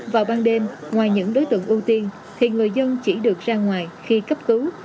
vào ban đêm ngoài những đối tượng ưu tiên thì người dân chỉ được ra ngoài khi cấp cứu